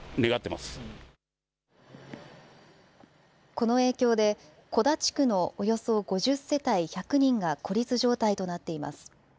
この影響で小田地区のおよそ５０世帯１００人が孤立状態となっています。